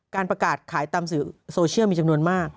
การประกาศขายตามสื่อโซเชียลมีจำนวนมาก